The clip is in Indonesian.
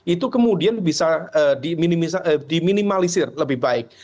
itu kemudian bisa diminimalisir lebih baik